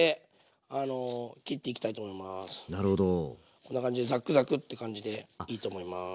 こんな感じでザクザクって感じでいいと思います。